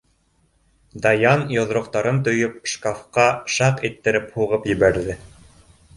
Даян йоҙроҡтарын төйөп, шкафҡа шаҡ иттереп һуғып ебәрҙе.